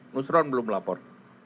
nusron belum lapor